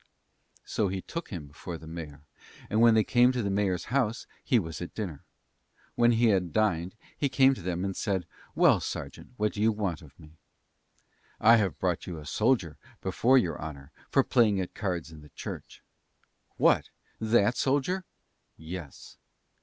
So he took him before the mayor; and when they came to the mayor's house, he was at dinner. When he had dined, he came to them and said "well serjeant, what do you want with me?" "I have brought a soldier before your honour, for playing at cards in the church." "What! that soldier." "Yes."